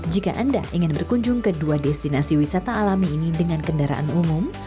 jika anda ingin berkunjung ke dua destinasi wisata alami ini dengan kendaraan umum